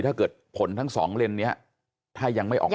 ถ้าเกิดผลทั้งสองเลนส์นี้ถ้ายังไม่ออกมา